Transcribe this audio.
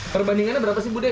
perbandingannya berapa sih bu deh